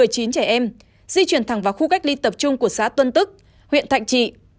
một mươi chín trẻ em di chuyển thẳng vào khu cách ly tập trung của xã tuân tức huyện thạnh trị